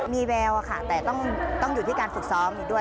มีแววค่ะแต่ต้องอยู่ที่การฝึกซ้อมอีกด้วย